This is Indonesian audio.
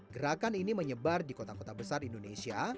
gerakan ini menyebar di kota kota besar indonesia